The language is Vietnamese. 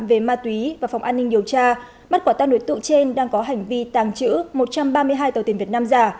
về ma túy và phòng an ninh điều tra bắt quả tăng đối tượng trên đang có hành vi tàng trữ một trăm ba mươi hai tàu tiền việt nam giả